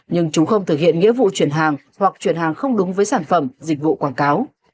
nhưng chúng không thực hiện nghĩa vụ chuyển hàng hoặc chuyển hàng không đúng với sản phẩm dịch vụ quảng cáo